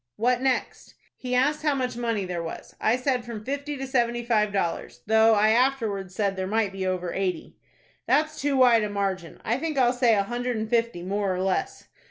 "What next?" "He asked how much money there was. I said from fifty to seventy five dollars, though I afterwards said there might be over eighty." "That's too wide a margin. I think I'll say a hundred and fifty, more or less."